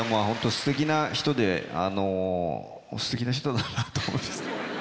すてきな人ですてきな人だなと思います。